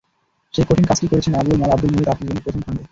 সেই কঠিন কাজটিই করেছেন আবুল মাল আবদুল মুহিত আত্মজীবনীর প্রথম খণ্ডে।